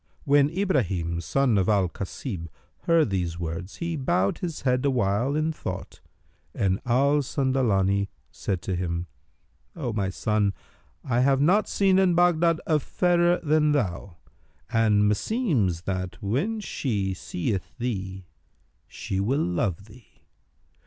When Ibrahim son of Al Kasib heard these words, he bowed his head awhile in thought and Al Sandalani said to him, "O my son, I have not seen in Baghdad a fairer than thou, and meseems that, when she seeth thee, she will love thee.